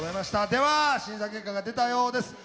では審査結果が出たようです。